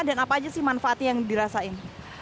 dan apa aja sih manfaatnya yang dirasain